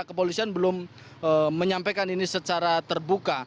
kepolisian belum menyampaikan ini secara terbuka